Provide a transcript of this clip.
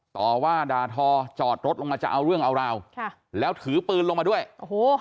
ต่อว่าด่าทอจอดรถลงมาจะเอาเรื่องเอาราวค่ะแล้วถือปืนลงมาด้วยโอ้โห